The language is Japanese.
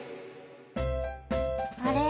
あれ？